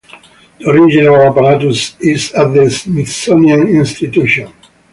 The original apparatus is at the Smithsonian Institution.